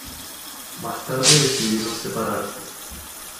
Más tarde decidieron separarse.